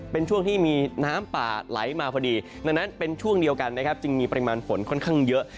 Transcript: เป็นช่วงที่มีน้ำป่าไหลมาพอดีดังนั้นเป็นช่วงเดียวกันนะครับจึงมีปริมาณฝนค่อนข้างเยอะ